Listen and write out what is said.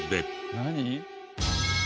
何？